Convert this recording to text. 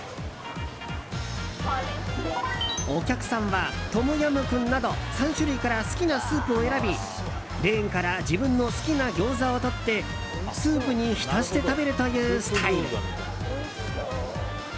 お客さんは、トムヤムクンなど３種類から好きなスープを選びレーンから自分の好きなギョーザを取ってスープに浸して食べるというスタイル。